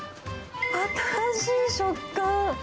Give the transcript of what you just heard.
新しい食感。